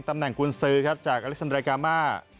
ตำแหน่งกุญสือครับจากอเล็กซันเรกามา